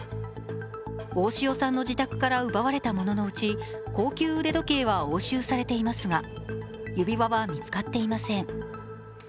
大塩さんの自宅から奪われたもののうち高級腕時計は押収されていますが指輪は見つかっていません。